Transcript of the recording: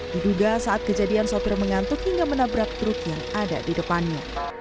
diduga saat kejadian sopir mengantuk hingga menabrak truk yang ada di depannya